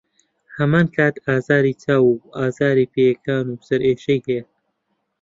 هەمانکات ئازاری چاو و ئازاری پێیەکان و سەرئێشەی هەیە.